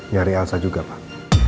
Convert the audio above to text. nyari elsa juga pak